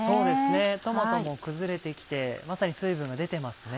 トマトも崩れてきてまさに水分が出てますね。